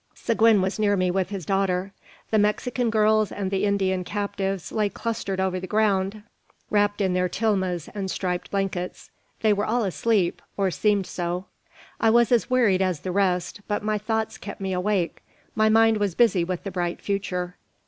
Seguin was near me with his daughter. The Mexican girls and the Indian captives lay clustered over the ground, wrapped in their tilmas and striped blankets. They were all asleep, or seemed so. I was as wearied as the rest, but my thoughts kept me awake. My mind was busy with the bright future.